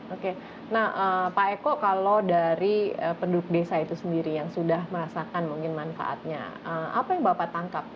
oke nah pak eko kalau dari penduduk desa itu sendiri yang sudah merasakan mungkin manfaatnya apa yang bapak tangkap